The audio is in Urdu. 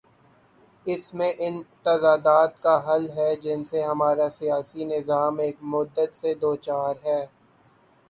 اس میں ان تضادات کا حل ہے، جن سے ہمارا سیاسی نظام ایک مدت سے دوچار ہے۔